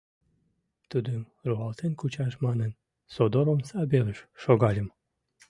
Тудым руалтен кучаш манын, содор омса велыш шогальым.